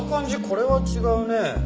これは違うね。